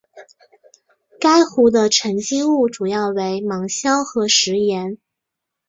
该湖的沉积物主要为芒硝和石盐。